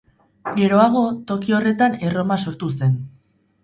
Geroago, toki horretan Erroma sortu zen.